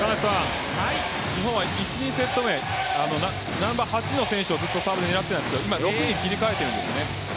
日本は１、２セット目ナンバー８の選手をずっとサーブで狙っていましたが今は６に切り替えましたね。